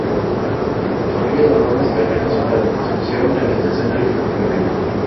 La familia donó los terrenos para la construcción de la estación del ferrocarril.